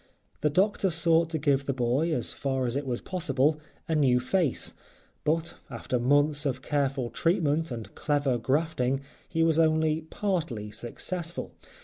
The doctor sought to give the boy, as far as it was possible, a new face; but, after months of careful treatment and clever grafting, he was only partly successful.